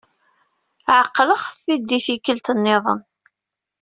Ɛeqlet-d i tikkelt nniḍen.